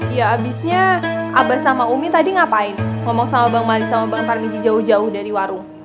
ya abisnya abah sama umi tadi ngapain ngomong sama bang mali sama bang farmizi jauh jauh dari warung